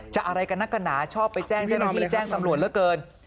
อะไรกันนักกันหนาชอบไปแจ้งเจ้าหน้าที่แจ้งตำรวจเหลือเกิน